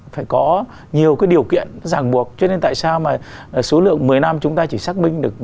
phải có nhiều cái điều kiện ràng buộc cho nên tại sao mà số lượng một mươi năm chúng ta chỉ xác minh được